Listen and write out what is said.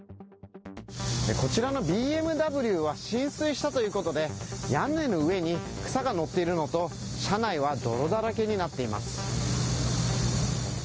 こちらのＢＭＷは浸水したということで屋根のうえに草が載っているのと、車内は泥だらけになっています。